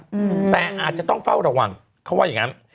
อืมแต่อาจจะต้องเฝ้าระวังเขาว่าอย่างงั้น